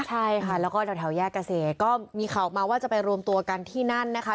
ใช่ค่ะแล้วก็แถวแยกเกษตรก็มีข่าวออกมาว่าจะไปรวมตัวกันที่นั่นนะคะ